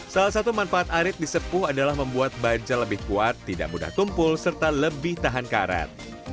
salah satu manfaat arit di sepuh adalah membuat baja lebih kuat tidak mudah tumpul serta lebih tahan karet